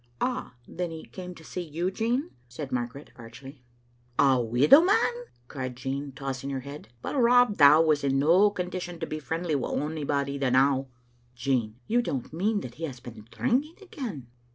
" Ah, then, he came to see you, Jean," said Margaret, archly. " A widow man !" cried Jean, tossing her head. " But Rob Dow was in no condition to be friendly wi' ony body the now." ''Jean, you don't mean that he has been drinking again?"